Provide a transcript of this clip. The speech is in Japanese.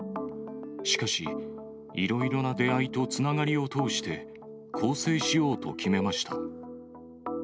しかし、いろいろな出会いとつながりを通して、更生しようと決めました。